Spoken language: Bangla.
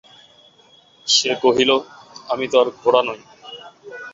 সে কহিল, আমি তো আর ঘোড়া নই।